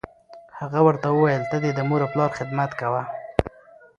هغه ورته وویل: ته دې د مور و پلار خدمت کوه.